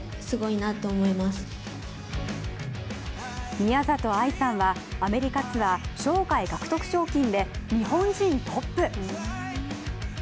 宮里藍さんは、アメリカツアー生涯獲得賞金で日本人トップ。